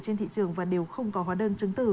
trên thị trường và đều không có hóa đơn chứng từ